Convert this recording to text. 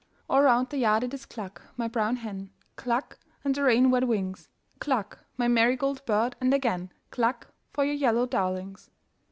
All round the yard it is cluck, my brown hen, Cluck, and the rain wet wings, Cluck, my marigold bird, and again Cluck for your yellow darlings.